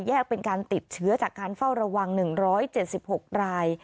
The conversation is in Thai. เป็นการติดเชื้อจากการเฝ้าระวัง๑๗๖ราย